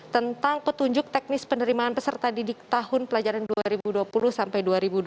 tentang petunjuk teknis penerimaan peserta didik tahun pelajaran dua ribu dua puluh sampai dua ribu dua puluh